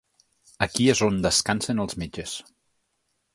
Aquí és on descansen els metges.